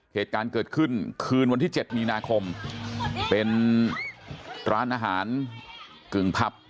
เหตุการณ์เกิดขึ้นคืนวันที่๗มีนาคมเป็นร้านอาหารกึ่งผับ